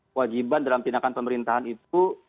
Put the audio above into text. kewajiban dalam tindakan pemerintahan itu